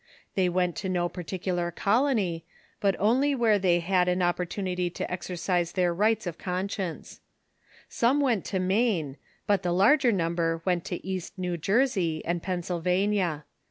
They went to no particular colony, but only where they had an oj)port unity to exercise their rights of conscience. Some went to Maine, but the larger number went to East New Jcr 29 450 THE CHUKCH IN THE UNITED STATES sey and Pennsylvania.